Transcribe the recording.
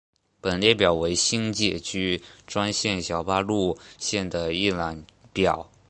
本列表为新界区专线小巴路线的一览表。